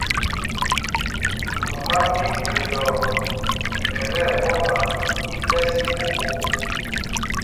Mumá mí Khɛloo ɛ tí ɛɓɔma ípɛs í khubú.